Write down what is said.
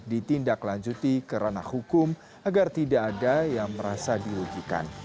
ditindaklanjuti kerana hukum agar tidak ada yang merasa dirugikan